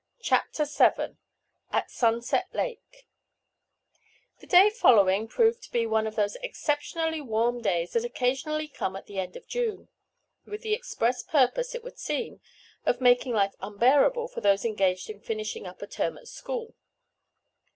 CHAPTER VII AT SUNSET LAKE The day following proved to be one of those exceptionally warm days that occasionally come at the end of June, with the express purpose, it would seem, of making life unbearable for those engaged in finishing up a term at school.